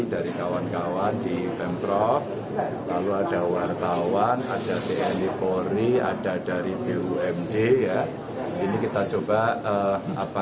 dari kawan kawan di pemprov kalau ada wartawan ada tni polri ada dari bumd ya ini kita coba apa